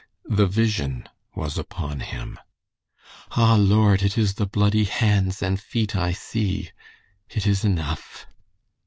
The Vision was upon him. "Ah, Lord, it is the bloody hands and feet I see. It is enough."